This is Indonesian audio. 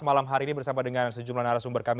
malam hari ini bersama dengan sejumlah narasumber kami